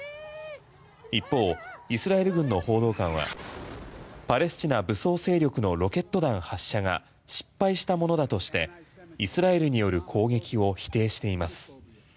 一方イスラエル軍の報道官はパレスチナ武装勢力のロケット弾発射が失敗したものだとしてイスラエルによる攻撃を否定しています。